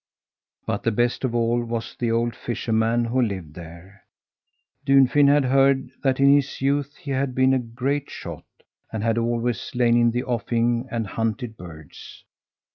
But the best of all was the old fisherman who lived there. Dunfin had heard that in his youth he had been a great shot and had always lain in the offing and hunted birds.